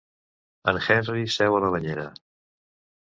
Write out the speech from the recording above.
En Henry seu a la banyera.